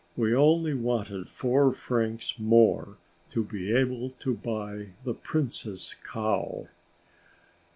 We only wanted four francs more to be able to buy the Prince's cow.